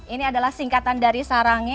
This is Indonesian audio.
ini adalah singkatan dari sarangi